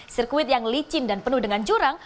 sirkuit yang licin dan penuh dengan jurang